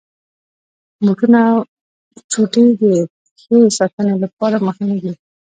بوټونه او چوټي د پښې ساتني لپاره مهمي دي.